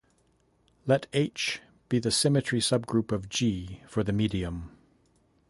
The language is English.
Let "H" be the symmetry subgroup of "G" for the medium.